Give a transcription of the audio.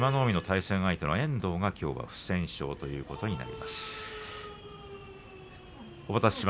海の対戦相手の遠藤不戦勝ということになります。